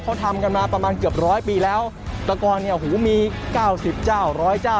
เขาทำกันมาประมาณเกือบร้อยปีแล้วแต่ก่อนเนี่ยหูมีเก้าสิบเจ้าร้อยเจ้า